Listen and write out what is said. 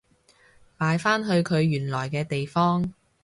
擺返去佢原來嘅地方